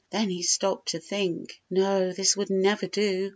Then he stopped to think. No, this would never do.